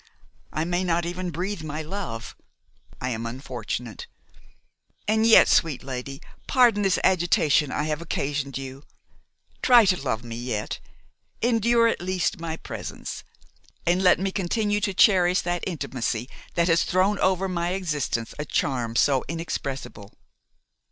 I may not even breathe my love; I am unfortunate. And yet, sweet lady, pardon this agitation I have occasioned you; try to love me yet; endure at least my presence; and let me continue to cherish that intimacy that has thrown over my existence a charm so inexpressible.